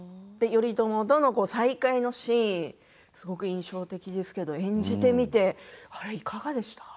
頼朝との再会のシーン、すごく印象的ですが演じてみてあれはいかがでしたか？